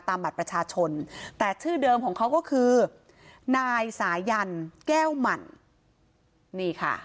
บัตรประชาชนแต่ชื่อเดิมของเขาก็คือนายสายันแก้วหมั่นนี่ค่ะ